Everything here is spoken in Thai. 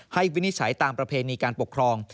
วินิจฉัยตามประเพณีการปกครอง